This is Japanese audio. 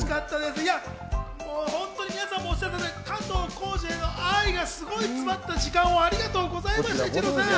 皆さんもおっしゃっていただいた通り、加藤浩次への愛がすごい詰まった時間をありがとうございました、一郎さん。